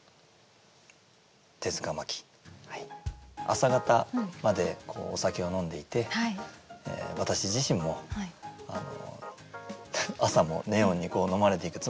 朝方までお酒を飲んでいて私自身も朝のネオンに呑まれていく。